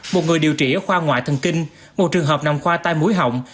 một người điều trị ở khoa ngoại thần kinh một trường hợp nằm khoa tai mũi họng